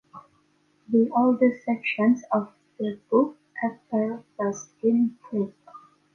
The oldest sections of the book appear first in Greek.